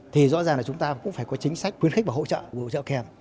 thì rõ ràng là chúng ta cũng phải có chính sách khuyến khích và hỗ trợ của hỗ trợ kèm